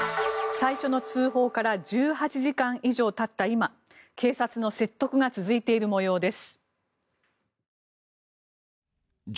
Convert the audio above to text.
最初の通報から１８時間以上たった今警察の説得が続いている模様です。